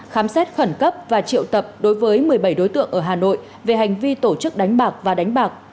khám xét khẩn cấp và triệu tập đối với một mươi bảy đối tượng ở hà nội về hành vi tổ chức đánh bạc và đánh bạc